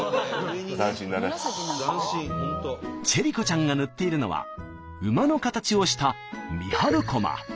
チェリ子ちゃんが塗っているのは馬の形をした三春駒。